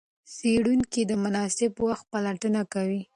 څېړونکي د مناسب وخت پلټنه کوي.